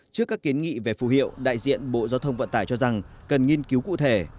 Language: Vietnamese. trước các kiến nghị về phù hiệu đại diện bộ giao thông vận tải cho rằng cần nghiên cứu cụ thể